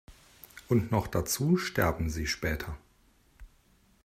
Und noch dazu sterben sie später.